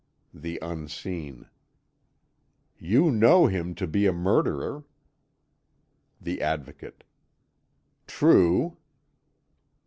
The Unseen: "You know him to be a murderer." The Advocate: "True."